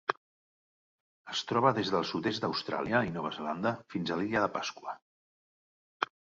Es troba des del sud-est d'Austràlia i Nova Zelanda fins a l'Illa de Pasqua.